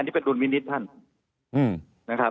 อันนี้เป็นดุลพินิษฐ์ท่านเนี่ย